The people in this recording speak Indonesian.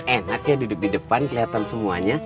enak ya duduk di depan kelihatan semuanya